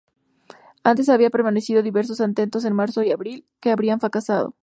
Antes había permitido diversos atentados en marzo y abril, que habían fracasado.